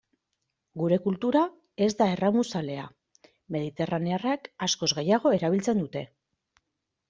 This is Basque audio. Gure kultura ez da erramuzalea, mediterranearrek askoz gehiago erabiltzen dute.